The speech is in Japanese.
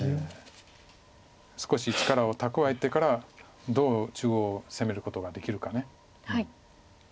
少し力を蓄えてからどう中央を攻めることができるか。